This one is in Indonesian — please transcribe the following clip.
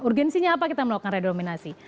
urgensinya apa kita melakukan redenominasi